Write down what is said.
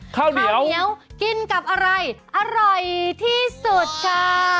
ข้าวเหนียวเหนียวกินกับอะไรอร่อยที่สุดค่ะ